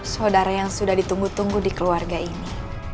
saudara yang sudah ditunggu tunggu di keluarga ini